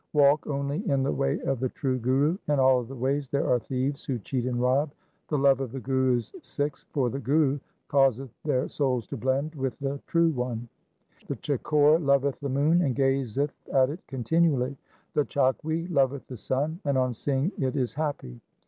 Walk only in the way of the true Guru. In all other ways there are thieves who cheat and rob. The love of the Guru's Sikhs for the Guru causeth their souls to blend with the True One. 1 The chakor loveth the moon and gazeth at it continually. The chakwi loveth the sun, and on seeing it is happy.